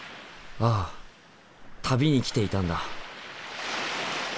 ああ旅に来ていたんだ。